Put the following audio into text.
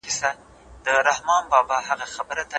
که د لمر وړانګو څخه ځان وساتل سي، نو پوستکی نه سوځي.